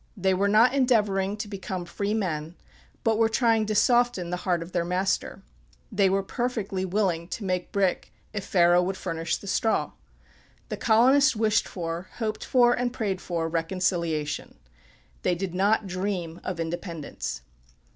They were not endeavoring to become free men, but were trying to soften the heart of their master. They were perfectly willing to make brick Pharaoh would furnish the straw. The colonists wished for, hoped for, and prayed for reconciliation. They did not dream of independence.